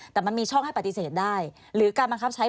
แต่มันมีช่องให้ปฏิเสธได้หรือการบังคับใช้